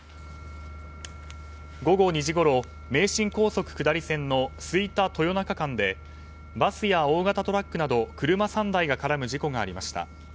午後２時ごろ、名神高速下り線の吹田豊中間でバスや大型トラックなど車３台が絡む事故がありました。